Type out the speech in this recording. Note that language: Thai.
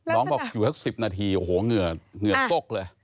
บอกอยู่สัก๑๐นาทีโอ้โหเหงื่อฟกเลย